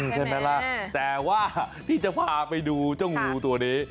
ใช่ไหมล่ะแต่ว่าที่จะพาไปดูเจ้างูตัวนี้